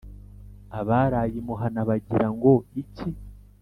Abaraye imuhana bagira ngo iki ?